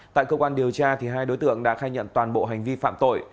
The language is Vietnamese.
tại cơ quan điều tra hai đối tượng đã khai nhận toàn bộ hành vi phạm tội